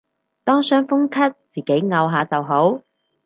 當傷風咳自己漚下就好